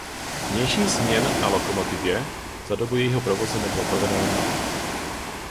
Vnějších změn na lokomotivě za dobu jejího provozu nebylo provedeno mnoho.